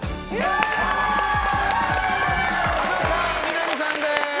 田中みな実さんです。